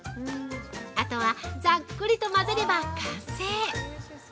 ◆あとは、ざっくりと混ぜれば完成。